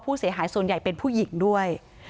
ผู้เสียหายส่วนใหญ่เป็นผู้หญิงด้วย